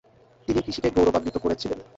তিনি কৃষিকে গৌরবান্বিত করেছিলেন।